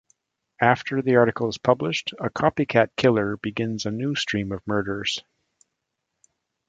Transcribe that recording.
After the article is published, a copycat killer begins a new stream of murders.